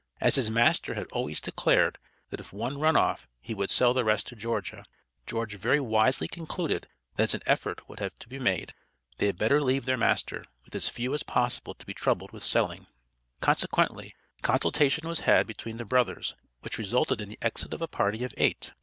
As his master had always declared that if one run off, he would sell the rest to Georgia, George very wisely concluded that as an effort would have to be made, they had better leave their master with as "few as possible to be troubled with selling." Consequently, a consultation was had between the brothers, which resulted in the exit of a party of eight.